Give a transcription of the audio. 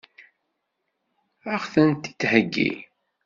Ad ɣ-ten-id-theggi?